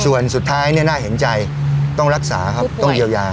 ส่วนสุดท้ายเนี่ยน่าเห็นใจต้องรักษาครับต้องเยียวยา